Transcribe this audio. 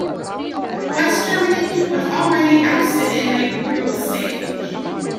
West Germany was already ousted in the group stage.